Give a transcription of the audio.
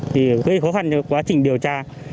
thì gây khó khăn cho quá trình điều tra